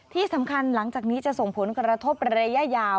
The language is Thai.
ที่สำคัญหลังจากนี้จะส่งผลกระทบระยะยาว